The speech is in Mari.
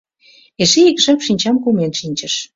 Эше ик жап шинчам кумен шинчыш.